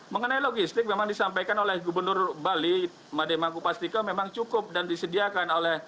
mengenai logistik memang disampaikan oleh gubernur bali mademangku pastika memang cukup dan disediakan oleh